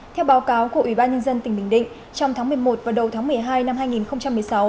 theo báo cáo của ủy ban nhân dân tỉnh bình định trong tháng một mươi một và đầu tháng một mươi hai năm hai nghìn một mươi sáu